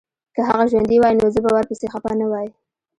که هغه ژوندی وای نو زه به ورپسي خپه نه وای